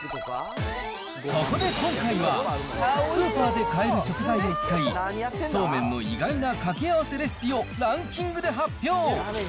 そこで今回は、スーパーで買える食材を使い、そうめんの意外なかけあわせレシピをランキングで発表。